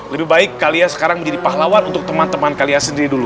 lebih baik kalian sekarang menjadi pahlawan untuk teman teman kalian sendiri dulu